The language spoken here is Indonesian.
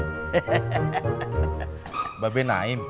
mbak be naim